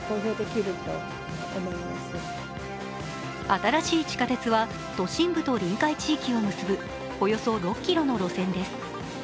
新しい地下鉄は、都心部と臨海地域を結ぶおよそ６ｋｍの路線です。